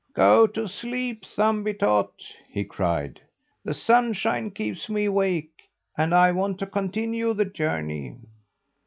"Go to sleep, Thumbietot!" he cried. "The sunshine keeps me awake and I want to continue the journey."